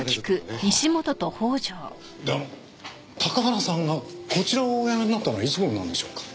であの高原さんがこちらをお辞めになったのはいつ頃なんでしょうか？